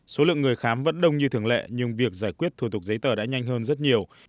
số lượng người khám vẫn đông như thường lệ nhưng việc giải quyết thuộc dây tờ đã nhanh hơn rất nhiều